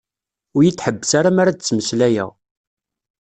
Ur yi-d-ḥebbes ara mi ara d-ttmeslayeɣ.